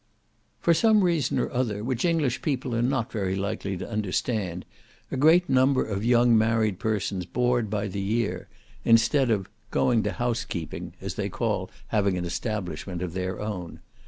For some reason or other, which English people are not very likely to understand, a great number of young married persons board by the year, instead of "going to housekeeping," as they call having an establishment of their own.